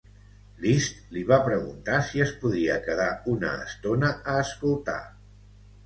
Liszt li va preguntar si es podia quedar una estona a escoltar.